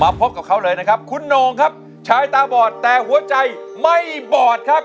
พบกับเขาเลยนะครับคุณโน่งครับชายตาบอดแต่หัวใจไม่บอดครับ